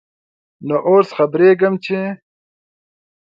نوو اوس خبريږم ، چې ...